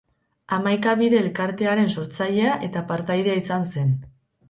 Hamaika Bide Elkartearen sortzailea eta partaidea izan zen.